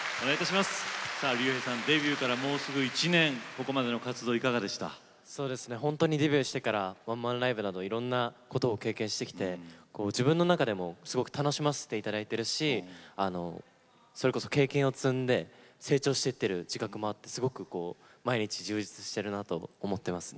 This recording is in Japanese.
デビューからもうすぐ１年デビューしてからワンマンライブなどいろいろなことを経験してきて自分の中でもすごく楽しませていただいてるしそれこそ経験を積んで成長していっている自覚もあってすごく毎日、充実してるなと思っています。